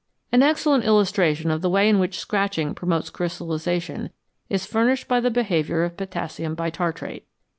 An excellent illustration of the way in which scratching promotes crystallisation is furnished by the behaviour of potassium bitartrate.